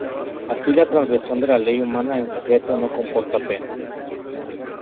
Así la transgresión de la ley humana en secreto no comporta pena.